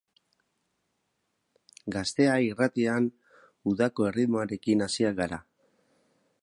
Gaztea irratian udako erritmoarekin hasiak gara.